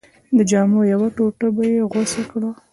د جامو یوه ټوټه به یې غوڅه کړه.